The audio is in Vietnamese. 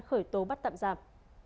khởi tố bắt tạm giam